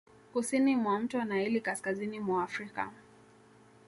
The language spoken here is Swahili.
Kusini mwa mto Naili kaskazini mwa Afrika